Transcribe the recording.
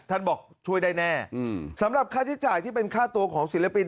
บอกช่วยได้แน่สำหรับค่าใช้จ่ายที่เป็นค่าตัวของศิลปิน